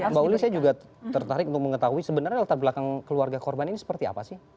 mbak uli saya juga tertarik untuk mengetahui sebenarnya latar belakang keluarga korban ini seperti apa sih